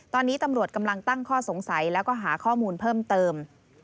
ตอนนี้ตำรวจกำลังตั้งข้อสงสัยแล้วก็หาข้อมูลเพิ่มเติม